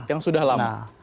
yang sudah lama